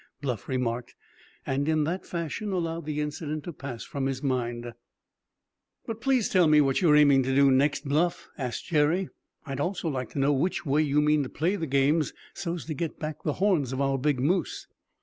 Bluff remarked, and in that fashion allowed the incident to pass from his mind. "But tell me what you're aiming to do next, Bluff?" asked Jerry. "I'd also like to know which way you mean to play the game so's to get back the horns of our big moose?"